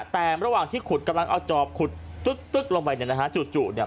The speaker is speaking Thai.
แต่ระหว่างที่ขุดกำลังเอาจอบขุดตึ๊กลงไปเนี่ยนะฮะจู่เนี่ย